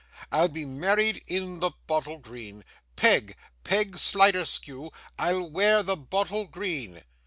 I'll be married in the bottle green. Peg. Peg Sliderskew I'll wear the bottle green!